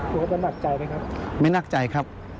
ครูปิชาเป็นนักใจไหมครับไม่นักใจครับ